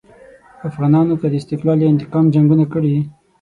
افغانانو که د استقلال یا انتقام جنګونه کړي.